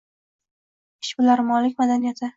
Ishbilarmonlik madaniyati